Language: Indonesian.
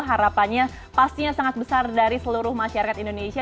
harapannya pastinya sangat besar dari seluruh masyarakat indonesia